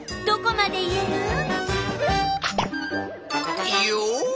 どこまでいえる？